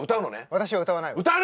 私は歌わないわ。